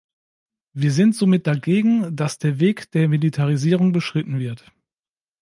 Wir sind somit dagegen, dass der Weg der Militarisierung beschritten wird.